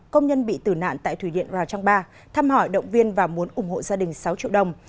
công nhân bị tử nạn tại thủy điện rào trang ba thăm hỏi động viên và muốn ủng hộ gia đình sáu triệu đồng